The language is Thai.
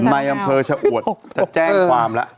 ในอำเภอชะอวดจะแจ้งความแล้ว